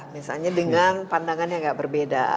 misalnya dengan pandangannya agak berbeda